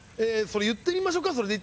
それでいってみましょか。